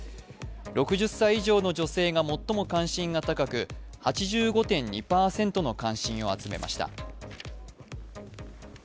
６０歳以上の女性が最も関心が高く、８５．２％の関心を集めました。